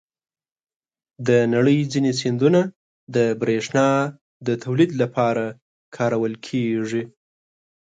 د نړۍ ځینې سیندونه د بریښنا تولید لپاره کارول کېږي.